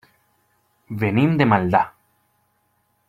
Venim de Maldà.